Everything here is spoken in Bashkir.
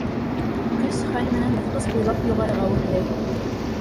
Көс-хәл менән баҫҡыс буйлап юғарыға үрләй.